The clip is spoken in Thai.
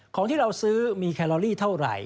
ของเราซื้อมีแคลอรี่เท่าไหร่